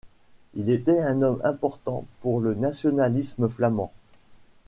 Il était un homme important pour le nationalisme flamand.